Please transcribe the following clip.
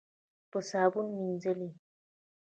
په صابون مینځلې.